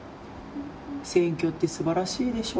選挙って素晴らしいでしょ？